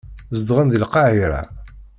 Zedɣen deg Lqahira.